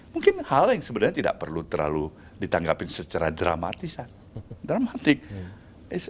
mungkin hal yang sebenarnya tidak perlu terlalu ditanggapi secara dramatisan